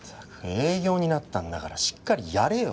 営業になったんだからしっかりやれよ。